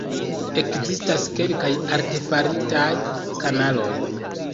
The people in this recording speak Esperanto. Ekzistas kelkaj artefaritaj kanaloj.